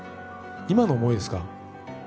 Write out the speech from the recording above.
今の思いですか？